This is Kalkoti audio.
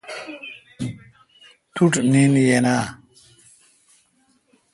توٹھ نیند یین آں؟.